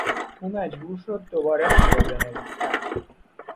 او مجبور شد دوباره آن را بنویسد.